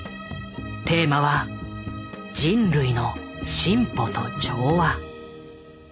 テーマは「人類の進歩と調和」。